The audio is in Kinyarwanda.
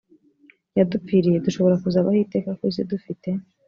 yadupfiriye dushobora kuzabaho iteka ku isi dufite